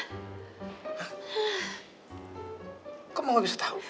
kok kamu gak bisa tau